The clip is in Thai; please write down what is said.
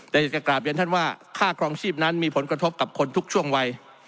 แต่อยากจะกลับเรียนท่านว่าค่าครองชีพนั้นมีผลกระทบกับคนทุกช่วงวัย